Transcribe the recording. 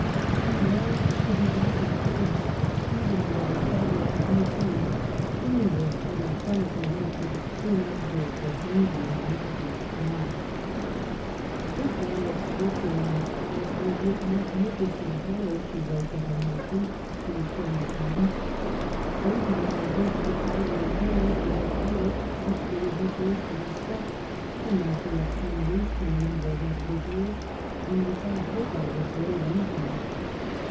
She longed to be back in France, even under the shadow of the guillotine, anywhere but in front of the lake, with its inexorable beauty and mad dening calm. " The whole of Switzerland inspires me with magnificent horror," she wrote to her husband, who was still in Sweden. " Sometimes I think that if I were in Paris with a title which they would be forced to respect, I might be of use to a number of individuals, and with that hope I would brave everything.